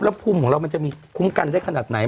แล้วภูมิของเรามันจะมีคุ้มกันได้ขนาดไหน